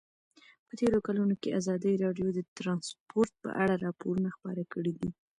په تېرو کلونو کې ازادي راډیو د ترانسپورټ په اړه راپورونه خپاره کړي دي.